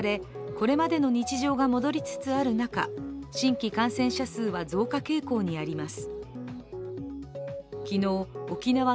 これまでの日常が戻りつつある中新規感染者数は増加傾向にあります。